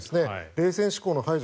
冷戦思考の排除